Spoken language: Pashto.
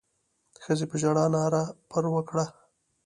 ښځې په ژړا ناره پر وکړه.